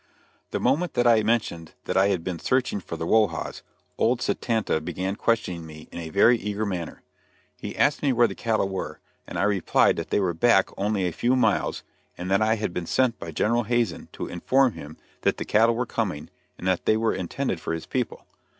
The moment that I mentioned that I had been searching for the "whoa haws," old Satanta began questioning me in a very eager manner. He asked me where the cattle were, and I replied that they were back only a few miles, and that I had been sent by General Hazen to inform him that the cattle were coming, and that they were intended for his people.